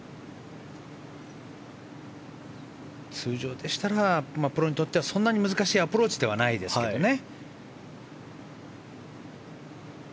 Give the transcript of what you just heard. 通常でしたらプロにとってはそんなに難しいアプローチではないですけどね。